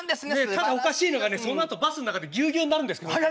ただおかしいのがねそのあとバスん中でギュギュになるんですけどね。